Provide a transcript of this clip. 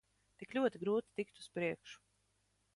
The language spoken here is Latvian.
Tik ļoti grūti tikt uz priekšu.